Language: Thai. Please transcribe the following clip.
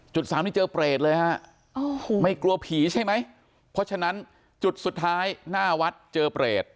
สามนี่เจอเปรตเลยฮะไม่กลัวผีใช่ไหมเพราะฉะนั้นจุดสุดท้ายหน้าวัดเจอเปรต